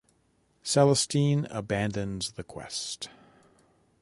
Celestine abandons the quest.